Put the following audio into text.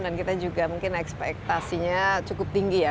dan kita juga mungkin ekspektasinya cukup tinggi ya